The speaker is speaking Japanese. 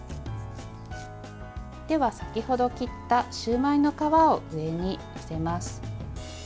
では、先ほど切ったシューマイの皮を上に載せます。